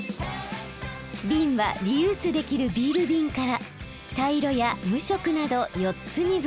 ビンはリユースできるビールビンから茶色や無色など４つに分別。